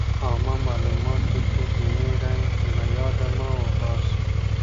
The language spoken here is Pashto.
عامه معلوماتو کې ديني رنګ له ياده مه وباسئ.